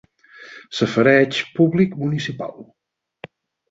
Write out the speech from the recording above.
Safareig públic municipal.